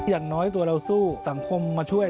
อย่างน้อยตัวเราสู้สังคมมาช่วย